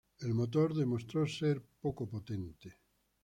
El motor demostró ser poco potente.